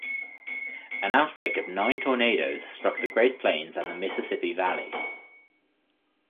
An outbreak of nine tornadoes struck the Great Plains and the Mississippi Valley.